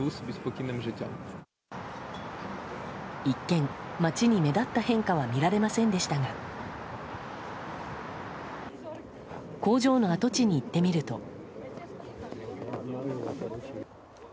一見、街に目立った変化は見られませんでしたが工場の跡地に行ってみると。